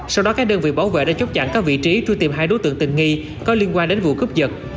sau đó các đơn vị bảo vệ đã chốt chặn các vị trí truy tìm hai đối tượng tình nghi có liên quan đến vụ cướp giật